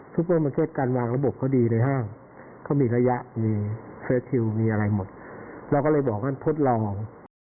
เปอร์มาร์เก็ตการวางระบบเขาดีในห้างเขามีระยะมีเฟสชิลมีอะไรหมดเราก็เลยบอกงั้นทดลอง